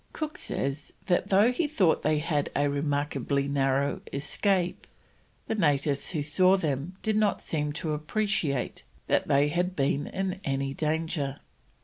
Cook says that though he thought they had a remarkably narrow escape, the natives who saw them did not seem to appreciate that they had been in any danger.